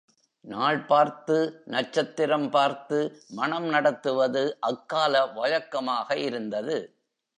நாள் பார்த்து நட்சத்திரம் பார்த்து மணம் நடத்துவது அக்கால வழக்கமாக இருந்தது.